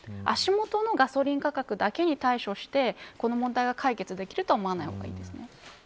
足元のガソリン価格だけに対処してこの問題は解決できると思わないほうがいいですね。